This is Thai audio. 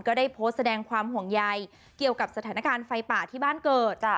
ก็ได้โพสต์แสดงความห่วงใยเกี่ยวกับสถานการณ์ไฟป่าที่บ้านเกิด